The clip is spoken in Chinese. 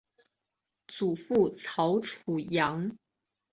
祖父曹楚阳。